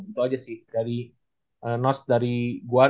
itu aja sih dari nost dari gua